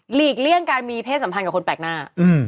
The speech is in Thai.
ลีกเลี่ยงการมีเพศสัมพันธ์กับคนแปลกหน้า